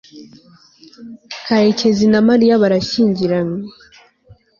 karekezi na mariya barashyingiranywe